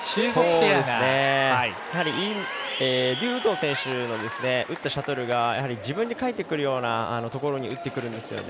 劉禹とう選手の打ったシャトルが自分に返ってくるようなところに打ってくるんですよね。